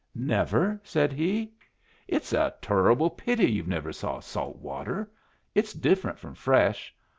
"Never?" said he. "It's a turruble pity you've never saw salt water. It's different from fresh.